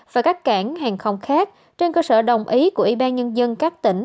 và các cảng hàng không khác trên cơ sở đồng ý của ủy ban nhân dân các tỉnh